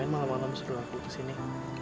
kenapa malam malam sedul aku kesini